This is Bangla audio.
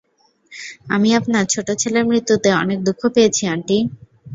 আমি আপনার ছোট ছেলের মৃত্যুতে অনেক দুঃখ পেয়েছি, আন্টি।